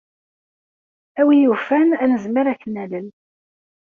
A win yufan, ad nezmer ad k-nalel.